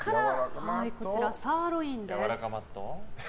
こちら、サーロインです。